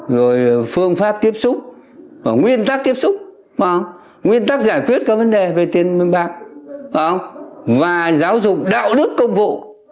rồi phương pháp tiếp xúc nguyên tắc tiếp xúc nguyên tắc giải quyết các vấn đề về tiền mương bạc và giáo dục đạo đức công vụ